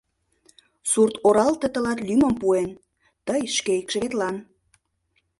Сурт оралте тылат лӱмым пуэн, тый — шке икшыветлан.